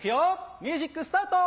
ミュージックスタート！